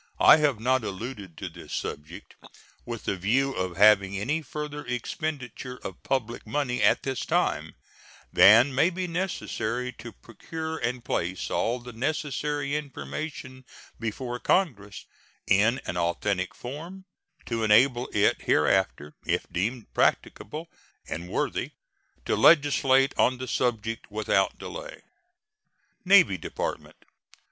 I have not alluded to this subject with the view of having any further expenditure of public money at this time than may be necessary to procure and place all the necessary information before Congress in an authentic form, to enable it hereafter, if deemed practicable and worthy, to legislate on the subject without delay. NAVY DEPARTMENT.